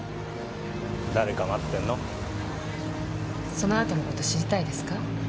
そのあとの事知りたいですか？